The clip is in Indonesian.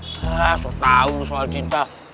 hah sok tau lu soal cinta